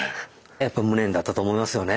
やっぱ無念だったと思いますよね。